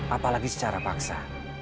apalagi secara paksa